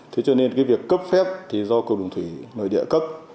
thế cho nên cái việc cấp phép thì do cục đường thủy nội địa cấp